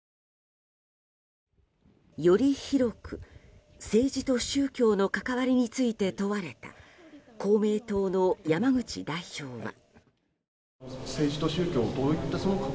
より広く、政治と宗教の関わりについて問われた公明党の山口代表は。